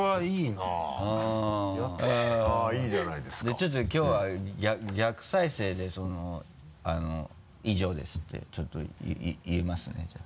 ちょっときょうは逆再生でその「以上です」ってちょっと言いますねじゃあ。